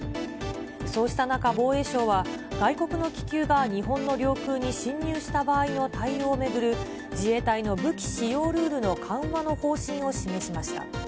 そうした中、防衛省は、外国の気球が日本の領空に侵入した場合の対応を巡る自衛隊の武器使用ルールの緩和の方針を示しました。